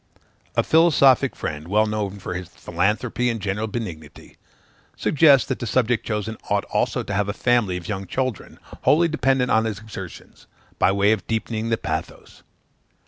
A philosophic friend, well known for his philanthropy and general benignity, suggests that the subject chosen ought also to have a family of young children wholly dependent on his exertions, by way of deepening the pathos.